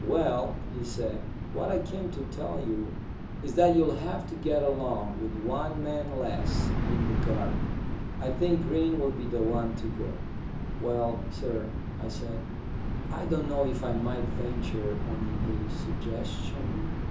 "Well," he said, "what I came to tell you is that you'll have to get along with one man less in the garden. I think Green will be the one to go." "Well, sir," I said, "I don't know if I might venture on a suggestion."